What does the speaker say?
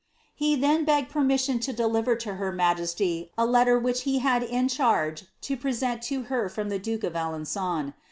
[e then begged permission to deliver to her majesty a letter which tad in charge to present to her from the duke of Alenqon.'